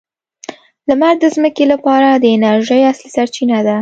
لمر د ځمکې لپاره د انرژۍ اصلي سرچینه ده.